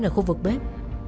ở khu vực bếp